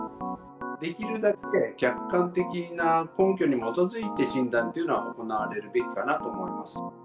できるだけ客観的な根拠に基づいて診断というのは行われるべきかなと思います。